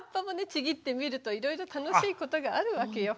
ちぎってみるといろいろ楽しいことがあるわけよ。